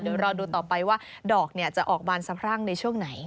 เดี๋ยวรอดูต่อไปว่าดอกจะออกบานสะพรั่งในช่วงไหน